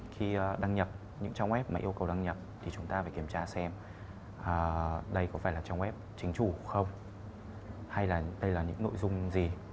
khi đăng nhập những trang web mà yêu cầu đăng nhập thì chúng ta phải kiểm tra xem đây có phải là trang web chính chủ không hay là đây là những nội dung gì